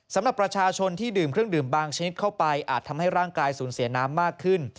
สำหรับประชาชนที่ดื่มเครื่องดื่มบางชนิดเข้าไปอาจทำให้ร่างกายสูญเสียน้ำมากขึ้น